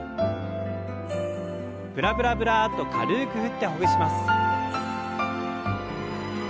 ブラブラブラッと軽く振ってほぐします。